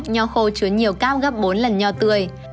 nho khô chứa nhiều cao gấp bốn lần nho tươi